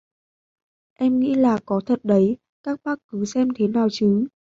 Em nghĩ là có thật đấy các bác cứ xem thế nào chứ